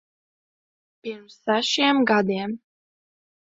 Pirms sešiem gadiem.